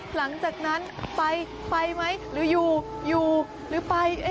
หลังจากนั้นไปไปไหมหรืออยู่อยู่หรือไป